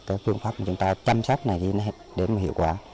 các phương pháp chúng ta chăm sóc này thì nó sẽ đạt hiệu quả